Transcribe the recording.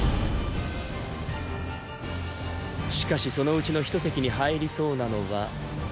しかしそのうちの一席に入りそうなのは。